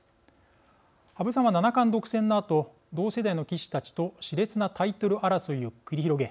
羽生さんは七冠独占のあと同世代の棋士たちとしれつなタイトル争いを繰り広げ